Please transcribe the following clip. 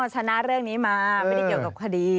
ชนะเรื่องนี้มาไม่ได้เกี่ยวกับคดี